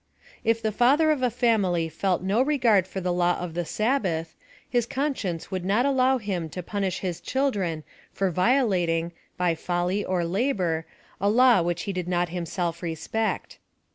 If the father of a family felt no regard for the law of the Sabbath, his conscience would not allow PLAN OP SALVATION. 103 him to punish his children for violating, by folly or labor, a law which he did not himself respect.